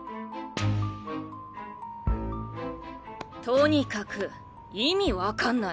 とにかく意味分かんない。